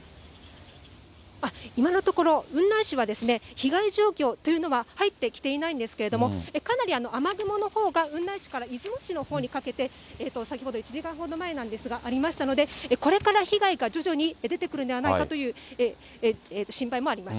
今のところ、雲南市は、被害状況というのは入ってきていないんですけれども、かなり雨雲のほうが、雲南市から出雲市のほうにかけて、ちょっと先ほど１時間ほど前なんですけれども、ありましたので、これから被害が徐々に出てくるんではないかという心配もあります。